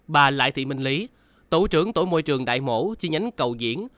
bà lại thị minh lý tổ trưởng tổ môi trường đại mổ chi nhánh cầu diễn